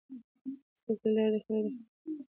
د زده کړې له لارې، خلک د خپلو حقونو پوهیدلی سي.